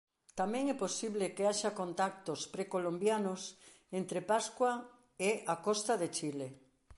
Tamén é posible que haxa contactos precolombianos entre Pascua e a costa de Chile.